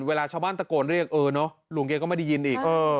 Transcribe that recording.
เวลาชาวบ้านตะโกนเรียกเออเนอะลุงแกก็ไม่ได้ยินอีก